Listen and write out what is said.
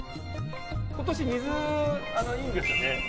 今年、水いいんですよね。